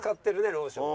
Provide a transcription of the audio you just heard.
ローションを。